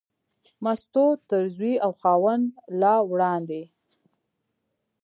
مستو تر زوی او خاوند لا وړاندې.